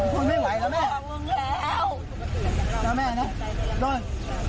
ฟังเจ้าเฮ้ย